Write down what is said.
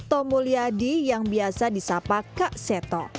seto mulyadi yang biasa disapa kak seto